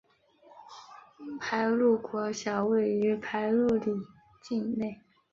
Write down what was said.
排路国小位于排路里境内。